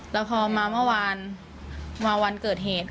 แล้วพอมาเมื่อวานมาวันเกิดเหตุ